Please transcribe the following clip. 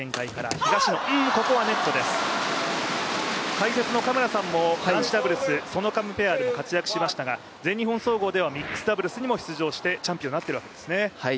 解説の嘉村さんも男子ダブルス、ソノカムペアで活躍しましたが、全日本総合ではミックスダブルスにも出場してチャンピオンになっているわけですね。